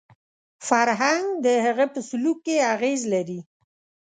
فرهنګ د هغه په سلوک کې اغېز لري